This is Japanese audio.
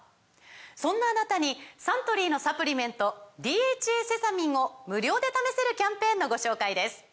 そんなあなたにサントリーのサプリメント「ＤＨＡセサミン」を無料で試せるキャンペーンのご紹介です